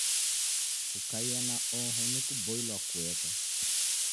Kukaia na oho ni kuboilwa kueka.